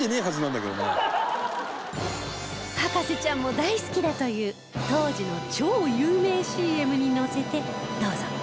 博士ちゃんも大好きだという当時の超有名 ＣＭ に乗せてどうぞ